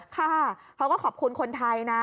ค่ะเขาก็ขอบคุณคนไทยนะ